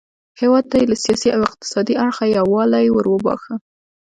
هیواد ته یې له سیاسي او اقتصادي اړخه یووالی وروباښه.